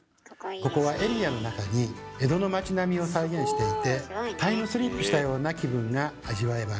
ここはエリアの中に江戸の町並みを再現していてタイムスリップしたような気分が味わえます。